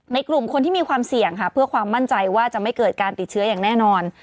กลุ่มคนที่มีความเสี่ยงค่ะเพื่อความมั่นใจว่าจะไม่เกิดการติดเชื้ออย่างแน่นอน